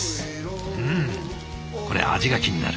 うんこれ味が気になる。